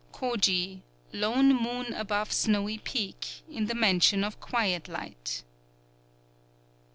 _ _Koji, Lone Moon above Snowy Peak, in the Mansion of Quiet Light.